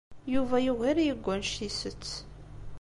Yuba yugar-iyi deg wanect i isett.